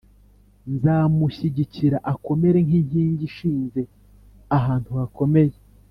Nzamushyigikira akomere nk’inkingi ishinze ahantu hakomeye,